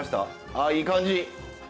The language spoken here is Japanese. あいい感じ！